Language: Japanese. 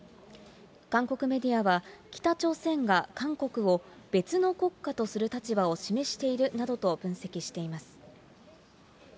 韓国メディアは、北朝鮮が韓国を別の国家とする立場を示しているなどと分析しています。